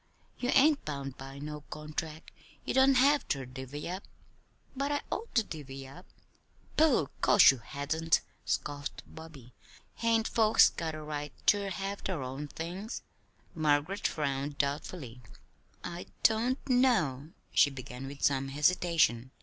You ain't bound by no contract. You don't have ter divvy up." "But I ought to divvy up." "Pooh! 'Course ye hadn't," scoffed Bobby. "Hain't folks got a right ter have their own things?" Margaret frowned doubtfully. "I don't know," she began with some hesitation.